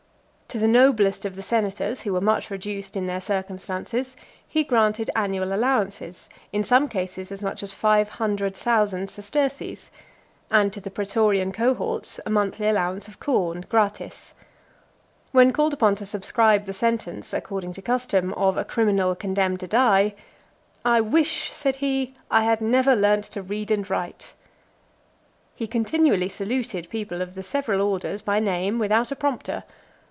To the noblest of the senators who were much reduced in their circumstances, he granted annual allowances, in some cases as much as five hundred thousand sesterces; and to the pretorian cohorts a monthly allowance of corn gratis. When called upon to subscribe the sentence, according to custom, of a criminal condemned to die, "I wish," said he, "I had never learnt to read and write." He continually saluted people of the several orders by name, without a prompter.